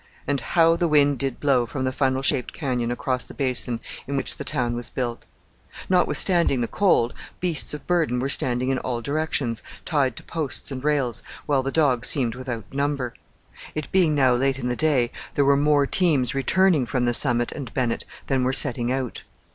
And how the wind did blow from the funnel shaped canyon across the basin in which the town was built! Notwithstanding the cold, beasts of burden were standing in all directions, tied to posts and rails, while the dogs seemed without number. It being now late in the day, there were more teams returning from the summit and Bennett than were setting out.